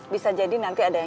bisa jadi nanti ada yang